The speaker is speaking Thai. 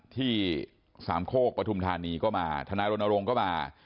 ที่สามโคกปฐุมธานีก็มาทนายรณรงค์ก็มา